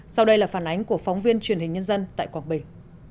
sau đây là phản ánh của phóng viên truyền hình nhân dân tại quảng bình